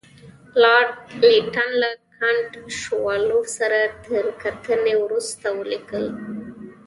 لارډ لیټن له کنټ شووالوف سره تر کتنې وروسته ولیکل.